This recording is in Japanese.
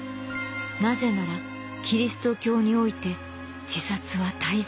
なぜならキリスト教において自殺は大罪でした。